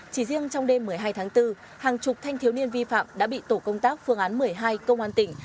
chỉ riêng trong đêm một mươi hai tháng bốn hàng chục thanh thiếu niên vi phạm đã bị tổ công tác phương án một mươi hai công an tỉnh